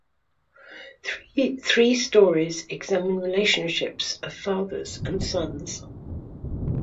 Three stories examine relationships of fathers and sons.